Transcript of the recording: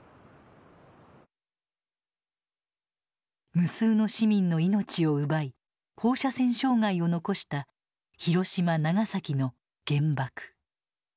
無数の市民の命を奪い放射線障害を残した広島長崎の「原爆」。